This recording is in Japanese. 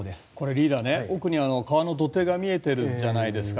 リーダーね、奥に川の土手が見えてるじゃないですか。